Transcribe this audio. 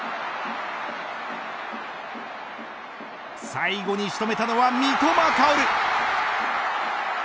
最後に仕留めたのは三笘薫。